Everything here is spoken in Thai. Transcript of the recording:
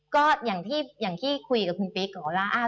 ก็อย่างที่คุยกับคุณเป๊กบอกว่า